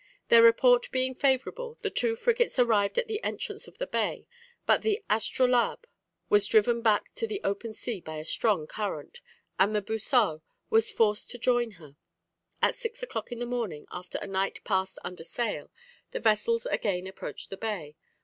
Their report being favourable, the two frigates arrived at the entrance of the bay, but the Astrolabe was driven back to the open sea by a strong current, and the Boussole was forced to join her. At six o'clock in the morning, after a night passed under sail, the vessels again approached the bay.